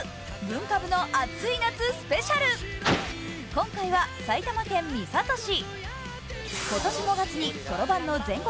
今回は埼玉県三郷市。